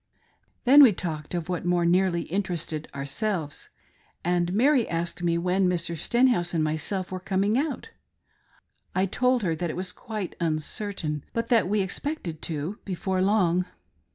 Then we talked of what more nearly interested ourselvesy and Mary asked me when Mr. Stenhouse and myself were coming out. I told her that it was quite uncertain, but that we expected to before long.